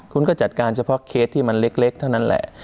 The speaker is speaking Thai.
คุณก็จัดการเฉพาะเคสที่มันเล็กเท่านั้นแหละ